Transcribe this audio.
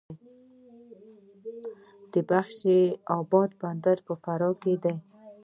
د بخش اباد بند په فراه کې دی